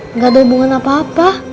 nggak ada hubungan apa apa